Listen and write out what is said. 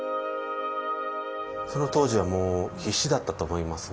その当時はもう必死だったと思いますね。